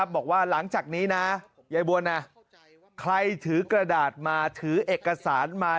บอกว่าหลังจากนี้นะยายบวนใครถือกระดาษมาถือเอกสารมา